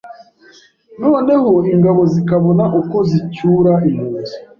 noneho ingabo zikabona uko zicyura impunzi